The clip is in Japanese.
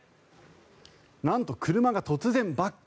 なんと車が突然、バック。